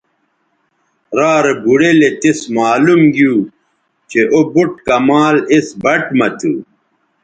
را رے بوڑیلے تس معلوم گیو چہء او بُٹ کمال اِس بَٹ مہ تھو